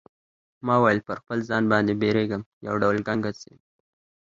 ما وویل پر خپل ځان باندی بیریږم یو ډول ګنګس یم.